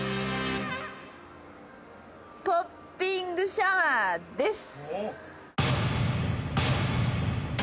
ポッピングシャワーです。